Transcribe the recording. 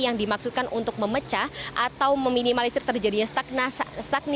yang dimaksudkan untuk memecah atau meminimalisir terjadinya